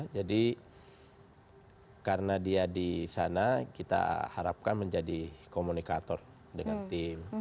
jadi karena dia di sana kita harapkan menjadi komunikator dengan tim